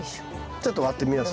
ちょっと割ってみます？